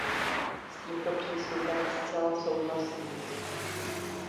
S tímto přístupem zcela souhlasím.